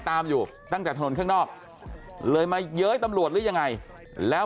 ตามอยู่ตั้งแต่ถนนข้างนอกเลยมาเย้ยตำรวจหรือยังไงแล้ว